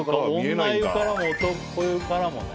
女湯からも男湯からもね。